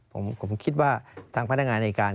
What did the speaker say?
ผมคิดว่าทางพนักงานในการ